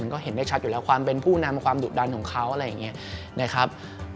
ก็เห็นได้ชัดอยู่แล้วความเป็นผู้นำความดุดันของเขาอะไรอย่างนี้นะครับ